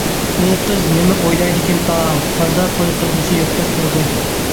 ئۇ قىز نېمە ئويلايدىكىن تاڭ، تازا توي قىلغۇسى يوقتەك تۇرىدۇ.